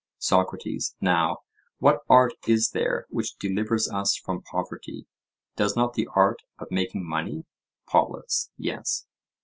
SOCRATES: Now, what art is there which delivers us from poverty? Does not the art of making money? POLUS: Yes.